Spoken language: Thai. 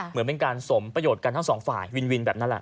เหมือนเป็นการสมประโยชน์กันทั้งสองฝ่ายวินวินแบบนั้นแหละ